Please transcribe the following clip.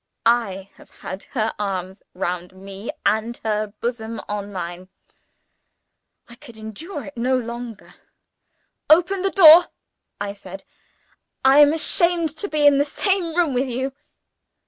I_ have had her arms round me, and her bosom on mine " I could endure it no longer. "Open the door!" I said. "I am ashamed to be in the same room with you!"